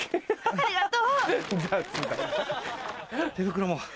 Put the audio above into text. ありがとう。